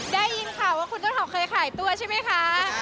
ได้ยินข่าวว่าคุณต้นหอมเคยขายตัวใช่ไหมคะ